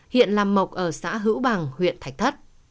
hiện làm mộc ở xã hữu bằng huyện thạch thất